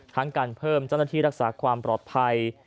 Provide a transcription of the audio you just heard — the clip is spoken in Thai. การเพิ่มเจ้าหน้าที่รักษาความปลอดภัย